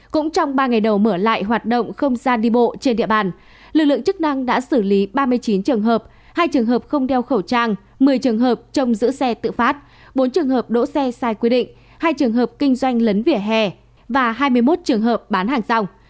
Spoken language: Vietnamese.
cũng trong ba ngày đầu mở lại hoạt động không gian đi bộ trên địa bàn lực lượng chức năng đã xử lý ba mươi chín trường hợp hai trường hợp không đeo khẩu trang một mươi trường hợp trong giữ xe tự phát bốn trường hợp đỗ xe sai quy định hai trường hợp kinh doanh lấn vỉa hè và hai mươi một trường hợp bán hàng rong